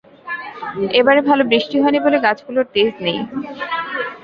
এবারে ভালো বৃষ্টি হয় নি বলে গাছগুলোর তেজ নেই।